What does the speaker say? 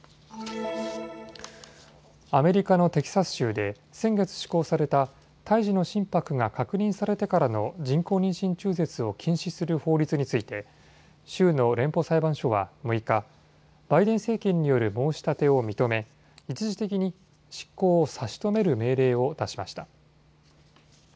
アメリカのテキサス州で先月施行された胎児の心拍が確認されてからの人工妊娠中絶を禁止する法律について州の連邦裁判所は６日、バイデン政権による申し立てを認め一時的に執行を差し止める命令を出しました。